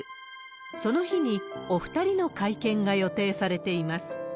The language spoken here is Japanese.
その日にお２人の会見が予定されています。